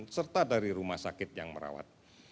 serta dari rumah sakit yang merawat